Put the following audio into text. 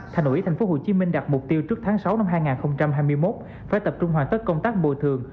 thành ủy tp hcm đặt mục tiêu trước tháng sáu năm hai nghìn hai mươi một phải tập trung hoàn tất công tác bồi thường